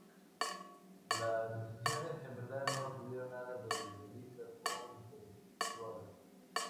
Las decisiones en verdad no tuvieron nada de idealistas o intelectuales.